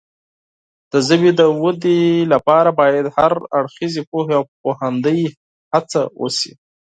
د ژبې د وده لپاره باید د هر اړخیزې پوهې او پوهاندۍ هڅه وشي.